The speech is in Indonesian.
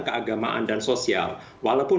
keagamaan dan sosial walaupun